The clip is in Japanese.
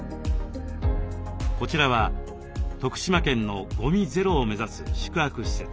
こちらは徳島県のゴミゼロを目指す宿泊施設。